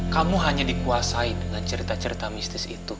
kamu hanya dikuasai dengan cerita cerita mistis itu